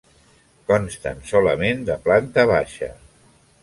Consten solament de planta baixa.